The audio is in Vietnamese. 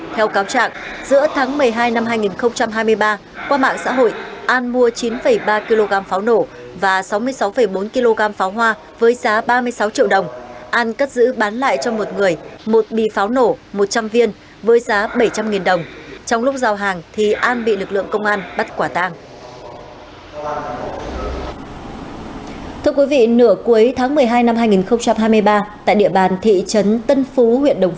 theo cáo trạng giữa tháng một mươi hai năm hai nghìn hai mươi ba qua mạng xã hội an mua chín ba kg pháo nổ và sáu mươi sáu bốn kg pháo hoa với giá ba mươi sáu triệu đồng